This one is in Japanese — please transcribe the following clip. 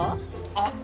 あっ。